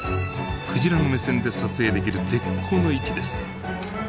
クジラの目線で撮影できる絶好の位置です。